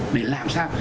để làm sao